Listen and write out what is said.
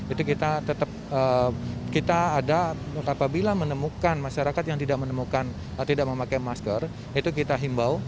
itu kita tetap kita ada apabila menemukan masyarakat yang tidak menemukan tidak memakai masker itu kita himbau